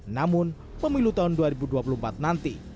namun pemilu tahun dua ribu dua puluh empat nanti